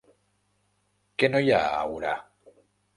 Què no hi ha a Urà?